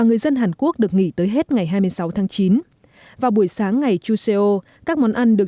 người dân hàn quốc được nghỉ tới hết ngày hai mươi sáu tháng chín vào buổi sáng ngày chuseo các món ăn được